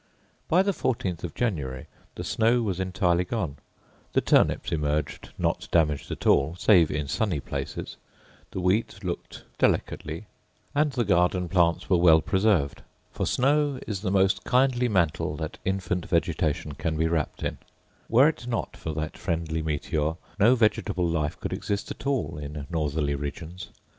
By the 14th of January the snow was entirely gone; the turnips emerged not damaged at all, save in sunny places; the wheat looked delicately, and the garden plants were well preserved; for snow is the most kindly mantle that infant vegetation can be wrapped in; were it not for that friendly meteor no vegetable life could exist at all in northerly regions.